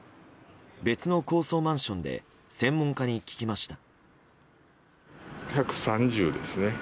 別の高層マンションで専門家に聞きました。